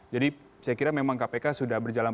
jadi saya kira memang kpk sudah berjalan